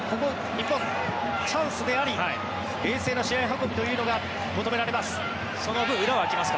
日本、チャンスであり冷静な試合運びというのが求められます。